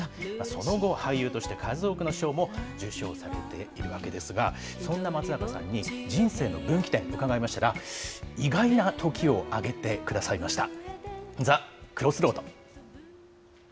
その後、俳優として数多くの賞も受賞されているわけですが、そんな松坂さんに、人生の分岐点、伺いましたら、意外なときを挙げてくださいました。